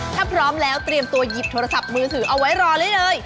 ถ้าพร้อมแล้วเตรียมตัวหยิบโทรศัพท์มือถือเอาไว้รอได้เลย